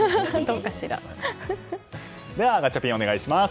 ではガチャピンお願いします。